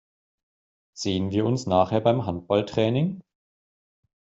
Sehen wir uns nachher beim Handballtraining?